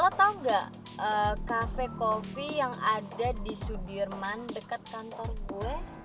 lo tau gak cafe coffee yang ada di sudirman dekat kantor gue